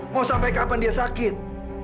mau sampai kapan dia sakit